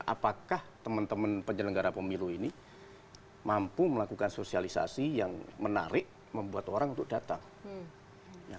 apakah teman teman penyelenggara pemilu ini mampu melakukan sosialisasi yang menarik membuat orang untuk datang